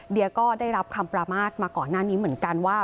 เดี๋ยวก็ได้รับคำประมาทมาก่อนหน้านี้เหมือนกันว่า